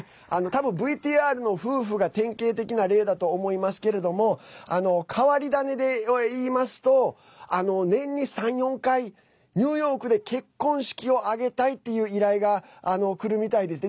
多分、ＶＴＲの夫婦が典型的な例だと思いますけれども変わり種でいいますと年に３４回、ニューヨークで結婚式を挙げたいっていう依頼がくるみたいです。